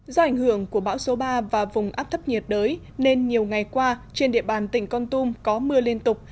do ảnh hưởng của bão số ba và vùng áp thấp nhiệt đới nên nhiều ngày qua trên địa bàn tỉnh con tum có mưa liên tục